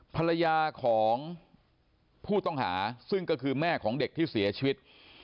ภรรยาของผู้ต้องหาซึ่งก็คือแม่ของเด็กที่เสียชีวิต